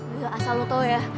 gak asal lu tau ya